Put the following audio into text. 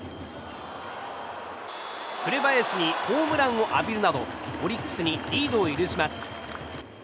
紅林にホームランを浴びるなどオリックスにリードを許します。